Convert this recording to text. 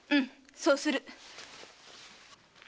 そうする。